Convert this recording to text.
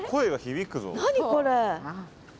何これ？